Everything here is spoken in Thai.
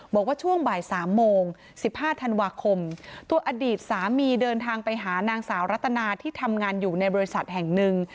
บอกว่าช่วงบ่าย๓โมง๑๕ธันวาคมตัวอดีตสามีเดินทางไปหานางสาวรัตนาที่ทำงานอยู่ในบริษัทแห่งหนึ่ง